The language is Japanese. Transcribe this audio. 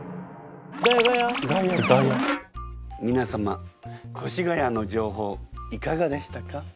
みな様越谷の情報いかがでしたか？